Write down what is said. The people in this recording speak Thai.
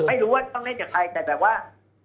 ไม่รู้ว่าต้องเล่นกับใครแต่แบบว่า